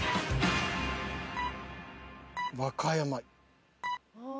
和歌山。